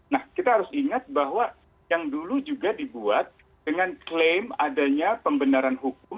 nah kita harus ingat bahwa yang dulu juga dibuat dengan klaim adanya pembenaran hukum